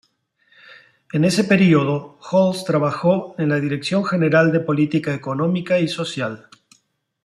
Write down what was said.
En ese período, Holz trabajó en la Dirección General de Política Económica y Social.